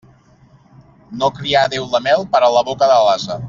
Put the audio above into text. No crià Déu la mel per a la boca de l'ase.